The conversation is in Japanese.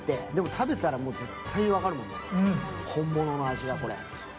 食べたら絶対に分かるもんね、本物の味が。